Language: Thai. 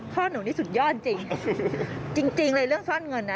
พ่อหนูนี่สุดยอดจริงจริงเลยเรื่องซ่อนเงินน่ะ